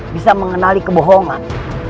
bisa mengenali kebohongan